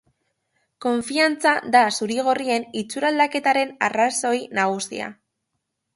Konfiantza da zuri-gorrien itxuraldaketaren arrazoi nagusia.